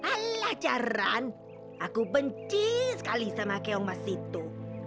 alajaran aku benci sekali sama keong mas itu